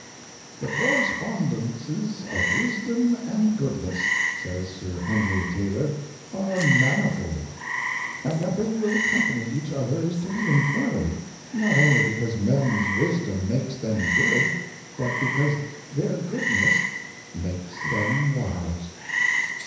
" The correspondences of wisdom and goodness," says Sir Henry Taylor, "are manifold; and that they will accompany each other is to be inferred, not only because men's wisdom makes them good, but because their goodness makes them wise."